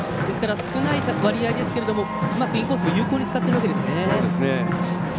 少ない割合ですけどうまくインコースを有効に使ってるわけなんですね。